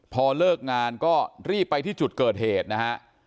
พอเลิกงานก็รีบไปที่จุดเกิดเหตุนะฮะ